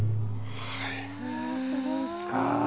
はい。